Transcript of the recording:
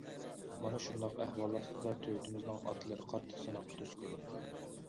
مانا شۇنداق ئەھۋال ئاستىدا تۆتىمىزنىڭ ئاتلىرى قاتتىق سىناققا دۇچ كەلدى.